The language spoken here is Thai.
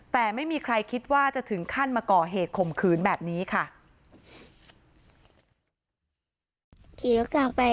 แต่ไม่มีใครคิดว่าจะถึงขั้นมาก่อเหตุข่มขืนแบบนี้ค่ะ